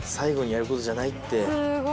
すごい。